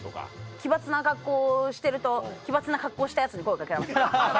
奇抜な格好をしてると奇抜な格好をしたヤツに声掛けられます。